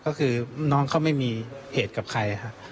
ก็คือน้องเขาไม่มีเหตุกับใครครับ